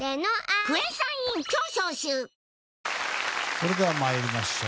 それでは参りましょう。